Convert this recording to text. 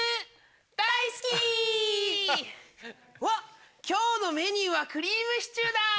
わっ今日のメニューはクリームシチューだ！